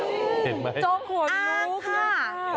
จงหัวงูค่ะ